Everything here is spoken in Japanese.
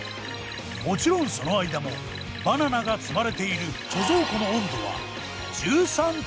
もちろんその間もバナナが積まれている貯蔵庫の温度は１３．５度！